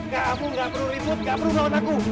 kamu gak perlu ribut gak perlu lawan aku